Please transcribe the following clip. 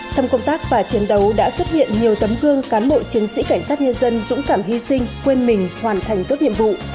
trong công tác và chiến đấu đã xuất hiện nhiều tấm gương cán bộ chiến sĩ cảnh sát nhân dân dũng cảm hy sinh quên mình hoàn thành tốt nhiệm vụ